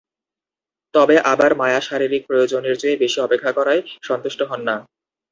তবে আবার মায়া শারীরিক প্রয়োজনের চেয়ে বেশি অপেক্ষা করায় সন্তুষ্ট হন না।